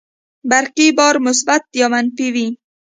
برقي بار مثبت یا منفي وي.